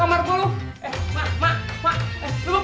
wahid mulu diajak